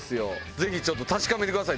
ぜひちょっと確かめてください